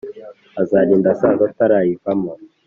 azarinda asaza atarayivamo